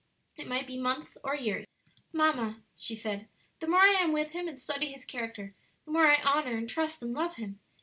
it might be months or years. "Mamma," she said, "the more I am with him and study his character, the more I honor and trust and love him.